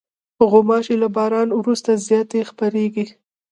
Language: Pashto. غوماشې له باران وروسته زیاتې خپرېږي.